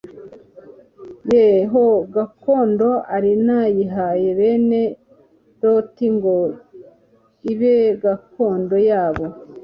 ye ho gakondo. Ari nayihaye bene Loti ngo ibe gakondo yabo.